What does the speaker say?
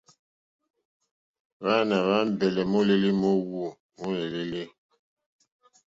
Hwàana hwa ambɛlɛ mòlèli mo awu mo èlèlè.